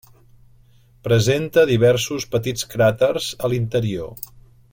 Presenta diversos petits cràters a l'interior.